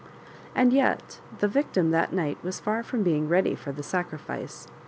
And yet the victim that night was far from being ready for the sacrifice.